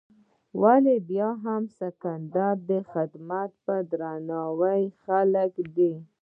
ولې بیا هم د سکندر دې خدمت په درناوي خلکو دی.